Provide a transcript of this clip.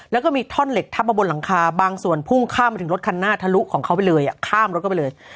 แล้วก็มีท่อนเหล็กทับมาบนหลังคาบางส่วนพุ่งข้ามมาถึงรถคันหน้าทะลุของเขาไปเลย